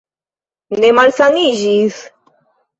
Ne malsaniĝis?